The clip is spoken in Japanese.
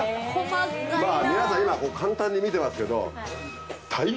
まぁ皆さん今簡単に見てますけど。